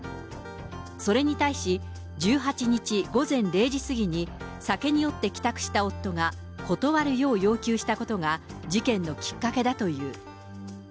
それに対し、１８日午前０時過ぎに、酒に酔って帰宅した夫が断るよう要求したことが、事件のきっかけだという。